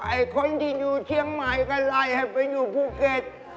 ไอ้คนที่อยู่เชียงใหม่ก็ไล่ให้ไปอยู่ภูเก็ต